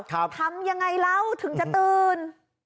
ครับทำยังไงแล้วถึงจะตื่น